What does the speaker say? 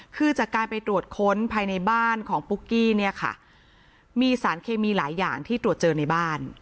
คือจากการไปตรวจค้นภายในบ้านของปุ๊กกี้เนี่ยค่ะมีสารเคมีหลายอย่างที่ตรวจเจอในบ้าน